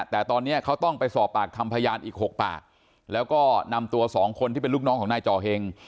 แต่ตอนนี้เขาต้องไปสอบปากคำพยานอีก๖ปากแล้วก็นำตัวสองคนที่เป็นลูกน้องของนายจอเฮง